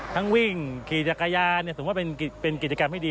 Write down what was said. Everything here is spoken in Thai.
ทั้งวิ่งขี่จักรยานสมมุติว่าเป็นกิจกรรมให้ดี